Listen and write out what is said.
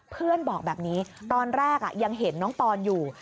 เพื่อนบอกแบบนี้ตอนแรกยังเห็นน้องปอนอยู่